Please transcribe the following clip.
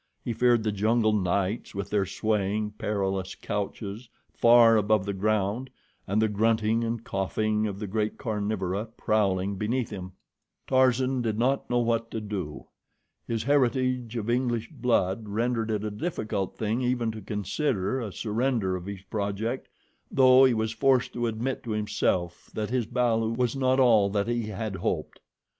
He feared the jungle nights with their swaying, perilous couches far above the ground, and the grunting and coughing of the great carnivora prowling beneath him. Tarzan did not know what to do. His heritage of English blood rendered it a difficult thing even to consider a surrender of his project, though he was forced to admit to himself that his balu was not all that he had hoped.